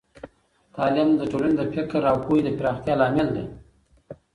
تعليم د ټولنې د فکر او پوهه د پراختیا لامل دی.